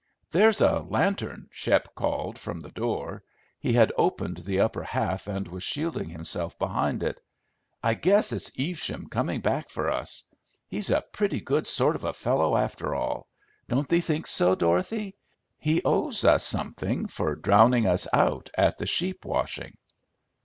"There's a lantern," Shep called from the door. He had opened the upper half and was shielding himself behind it. "I guess it's Evesham coming back for us. He's a pretty good sort of a fellow after all; don't thee think so, Dorothy? He owes us something for drowning us out at the sheep washing."